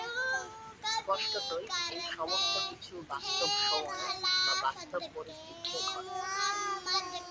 স্পষ্টতই, এই সমস্ত কিছু বাস্তব সময়ে বা বাস্তব পরিস্থিতিতে ঘটে।